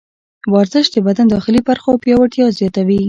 ورزش د بدن د داخلي برخو پیاوړتیا زیاتوي.